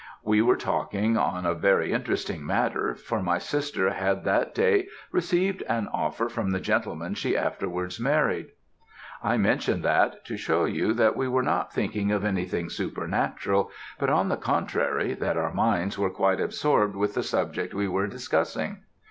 We were talking on a very interesting matter, for my sister had that day, received an offer from the gentleman she afterwards married. I mention that, to show you that we were not thinking of anything supernatural, but, on the contrary, that our minds were quite absorbed with the subject we were discussing.